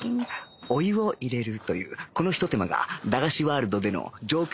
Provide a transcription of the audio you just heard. お湯を入れるというこのひと手間が駄菓子ワールドでの上級